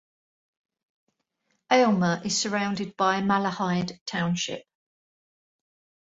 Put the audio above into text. Aylmer is surrounded by Malahide Township.